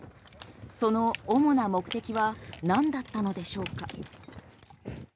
その主な目的は何だったのでしょうか？